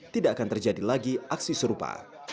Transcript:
tidak akan terjadi lagi aksi serupa